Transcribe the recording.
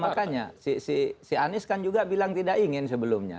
makanya si anies kan juga bilang tidak ingin sebelumnya